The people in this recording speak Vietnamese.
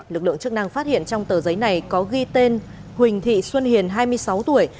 lực lượng chức năng phát hiện trong tờ giấy này có ghi tên huỳnh thị xuân hiền hai mươi sáu tuổi